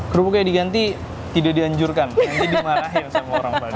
kerupuknya diganti tidak dianjurkan nanti dimarahin sama orang bali